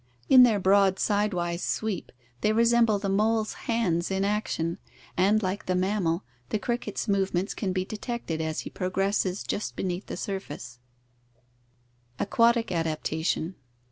In their broad sidewise sweep they resemble the mole's hands in action, and like the mammal the cricket's move ments can be detected as he progresses just be neath the surface (see Fig. t2i). Aquatic Adaptation.